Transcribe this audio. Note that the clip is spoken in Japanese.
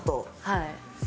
はい。